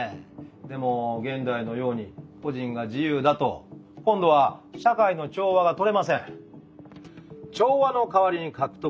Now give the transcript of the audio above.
でも現代のように個人が自由だと今度は社会の調和がとれません。